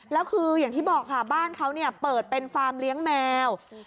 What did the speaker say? แล้วคืออย่างที่บอกค่ะบ้านเขาเปิดเป็นฟาร์มเลี้ยงแมว